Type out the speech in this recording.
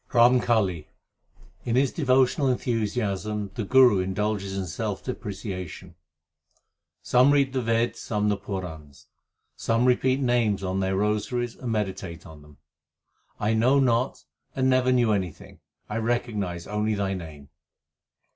RAMKALI In his devotional enthusiasm the Guru indulges in self depreciation : Some read the Veds, 1 some the Purans : Some repeat names 2 on their rosaries and meditate on them. I know not and never knew anything ; I recognize only Thy name.